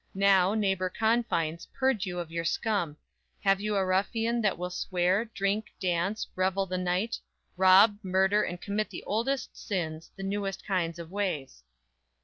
Now, neighbor confines, purge you of your scum; Have you a ruffian, that will swear, drink, dance, Revel the night; rob, murder and commit The oldest sins, the newest kind of ways!